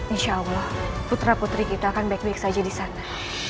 insya allah putra putri kita akan baik baik saja di sana